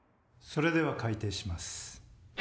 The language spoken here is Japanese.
それでは開廷します。